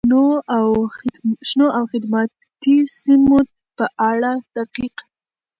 شنو او خدماتي سیمو په اړه دقیق،